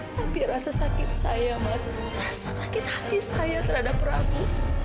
tapi rasa sakit saya masih rasa sakit hati saya terhadap rabu